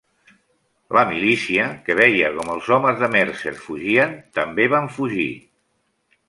La milícia, que veia com els homes de Mercer fugien, també van fugir.